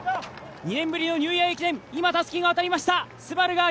２年ぶりのニューイヤー駅伝、今たすきが渡りました。